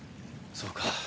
そうか。